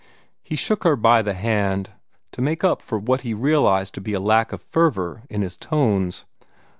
He shook her by the hand to make up for what he realized to be a lack of fervor in his tones.